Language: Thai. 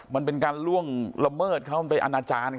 มันเป็นการล่วงละเมิดเขามันไปอนาจารย์